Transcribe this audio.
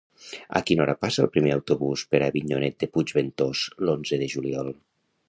A quina hora passa el primer autobús per Avinyonet de Puigventós l'onze de juliol?